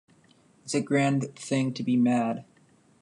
It’s a grand thing to be mad!